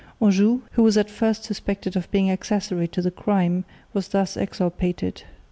Anjou, who was at first suspected of being accessory to the crime, was thus exculpated.